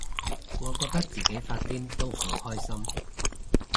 我覺得自己發癲都好開心